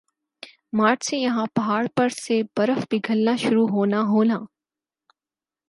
مارچ سے یَہاں پہاڑ پر سے برف پگھلنا شروع ہونا ہونا